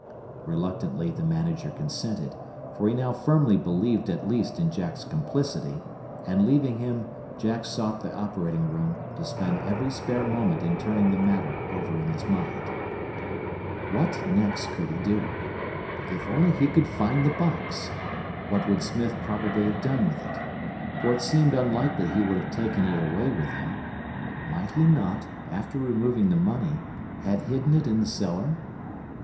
Reluctantly the manager consented, for he now firmly believed at least in Jack's complicity; and leaving him, Jack sought the operating room, to spend every spare moment in turning the matter over in his mind. What next could he do? If only he could find the box! What would Smith probably have done with it? For it seemed unlikely he would have taken it away with him. Might he not, after removing the money, have hidden it in the cellar?